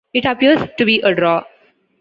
It appears to be a draw.